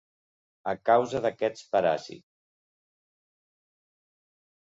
A causa d'aquest paràsit.